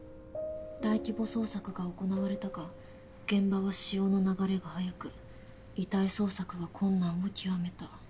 大規模捜索が行われたが現場は潮の流れが速く遺体捜索は困難を極めた。